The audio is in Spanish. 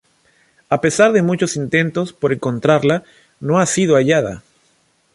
A pesar de muchos intentos por encontrarla, no ha sido hallada.